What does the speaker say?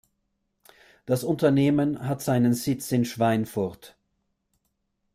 Das Unternehmen hat seinen Sitz in Schweinfurt.